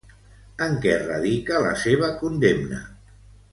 En què radica la seva condemna?